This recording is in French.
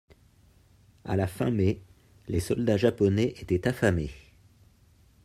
À la fin mai, les soldats japonais étaient affamés.